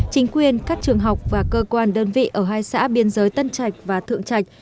chính quyền các trường học và cơ quan đơn vị ở hai xã biên giới tân trạch và thượng trạch